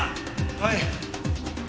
はい。